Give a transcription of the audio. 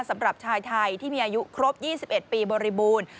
สำหรับชายไทยที่มีอายุครบ๒๑ปีบริบูรณ์